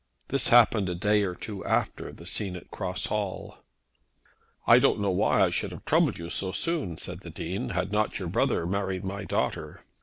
This happened a day or two after the scene at Cross Hall. "I don't know that I should have troubled you so soon," said the Dean, "had not your brother married my daughter."